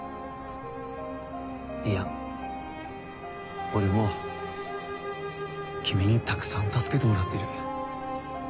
いや俺も君にたくさん助けてもらってる。